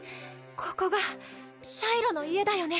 ここがシャイロの家だよね？